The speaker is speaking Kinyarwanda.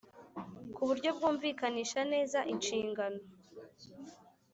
ku buryo bwumvikanisha neza inshingano,